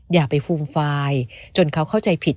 อย่าไปฟูมฟายจนเขาเข้าใจผิด